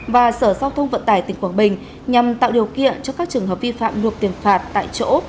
và sở giao thông vận tải tỉnh quảng bình nhằm tạo điều kiện cho các trường hợp vi phạm nộp tiền phạt tại chỗ